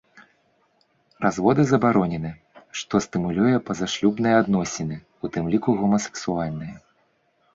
Разводы забаронены, што стымулюе пазашлюбныя адносіны, у тым ліку гомасексуальныя.